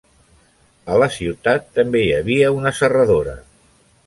A la ciutat també hi havia una serradora.